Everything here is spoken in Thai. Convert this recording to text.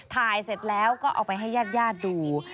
ถ่ายเสร็จแล้วก็เอาไปให้ญาติญาติดู